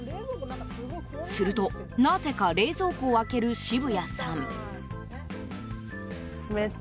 するとなぜか冷蔵庫を開ける渋谷さん。